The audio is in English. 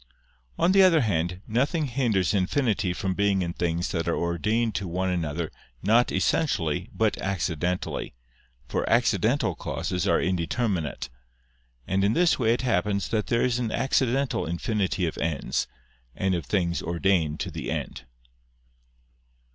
On the other hand, nothing hinders infinity from being in things that are ordained to one another not essentially but accidentally; for accidental causes are indeterminate. And in this way it happens that there is an accidental infinity of ends, and of things ordained to the end.